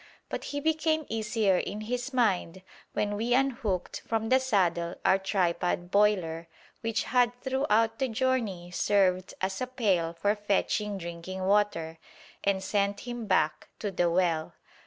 But he became easier in his mind when we unhooked from the saddle our tripod boiler, which had throughout the journey served as a pail for fetching drinking water, and sent him back to the well.